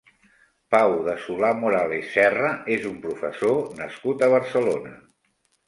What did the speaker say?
Pau de Solà-Morales Serra és un professor nascut a Barcelona.